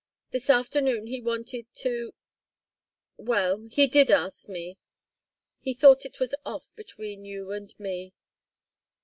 This afternoon he wanted to well he did ask me he thought it was off between you and me."